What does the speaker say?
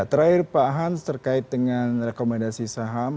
terakhir pak hans terkait dengan rekomendasi saham